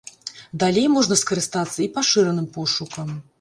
Далей можна скарыстацца і пашыраным пошукам.